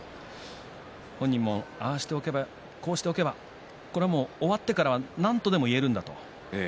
本人も、ああしておけばこうしておけば終わってからはなんとも言えるんだ。